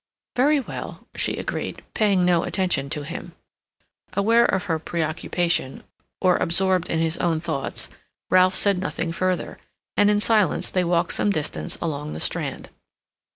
"Very well," she agreed, paying no attention to him. Aware of her preoccupation, or absorbed in his own thoughts, Ralph said nothing further; and in silence they walked some distance along the Strand.